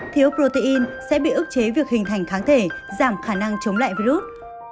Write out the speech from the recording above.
thiếu protein sẽ bị ức chế việc hình thành kháng thể giảm khả năng chống lại virus